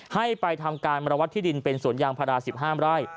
ให้ไปทำการมรวดที่ดินเป็นสวนยางพระราชิบห้ามไร้